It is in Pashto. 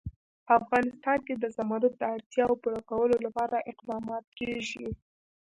په افغانستان کې د زمرد د اړتیاوو پوره کولو لپاره اقدامات کېږي.